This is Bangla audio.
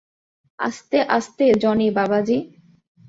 আস্তে, আস্তে, জনি বাবাজি।